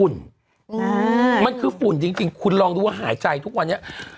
มันคือฝุ่นจริงคุณลองดูว่าหายใจทุกวันนี้